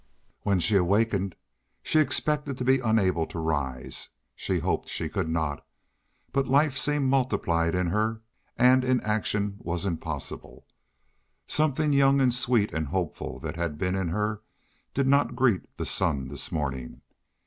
When she awakened she expected to be unable to rise she hoped she could not but life seemed multiplied in her, and inaction was impossible. Something young and sweet and hopeful that had been in her did not greet the sun this morning.